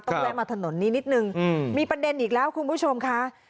แวะมาถนนนี้นิดนึงมีประเด็นอีกแล้วคุณผู้ชมค่ะ